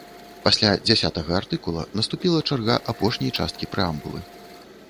Пасля дзясятага артыкула наступіла чарга апошняй часткі прэамбулы.